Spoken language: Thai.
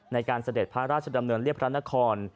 เสด็จพระราชดำเนินเรียบพระนคร